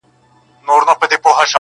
• زما امام دی -